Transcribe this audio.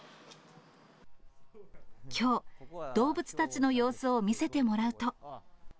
きょう、動物たちの様子を見せてもらうと。